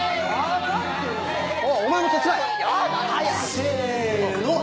せの！